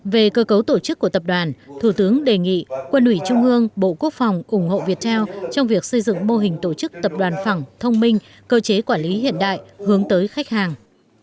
về cơ cấu tổ chức của tập đoàn thủ tướng đề nghị quân ủy trung ương bộ quốc phòng ủng hộ việt theo trong việc xây dựng mô hình tổ chức tập đoàn phẳng thông minh cơ chế quản lý hiện đại hướng tới khách hàng